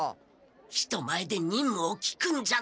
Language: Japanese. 人前でにんむを聞くんじゃない。